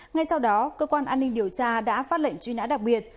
ngay sau đó cơ quan an ninh điều tra đã phát lệnh truy nã đặc biệt